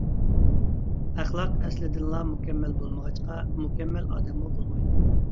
ئەخلاق ئەسلىدىنلا مۇكەممەل بولمىغاچقا مۇكەممەل ئادەممۇ بولمايدۇ.